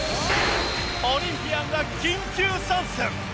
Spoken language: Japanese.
オリンピアンが緊急参戦！